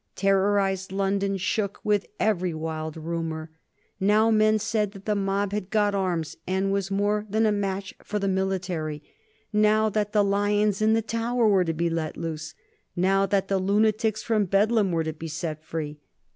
Terrorized London shook with every wild rumor. Now men said that the mob had got arms, and was more than a match for the military; now that the lions in the Tower were to be let loose; now that the lunatics from Bedlam were to be set free.